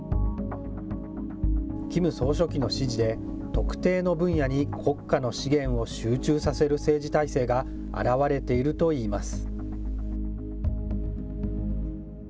キム総書記の指示で、特定の分野に国家の資源を集中させる政治体制が表れているといいます。